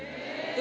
え？